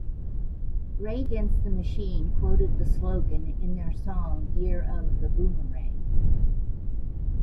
Rage Against the Machine quoted the slogan in their song "Year of tha Boomerang".